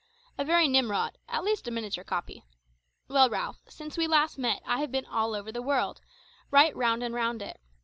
A very Nimrod at least a miniature copy. Well, Ralph, since we last met I have been all over the world, right round and round it.